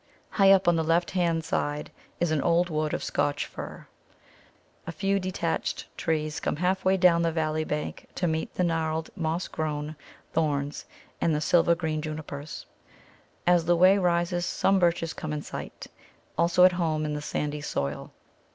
High up on the left hand side is an old wood of Scotch Fir. A few detached trees come half way down the valley bank to meet the gnarled, moss grown Thorns and the silver green Junipers. As the way rises some Birches come in sight, also at home in the sandy soil.